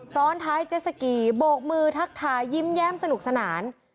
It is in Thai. ซ้อนท้ายเจสสกีโบกมือทักทายยิ้มแย้มสนุกสนาน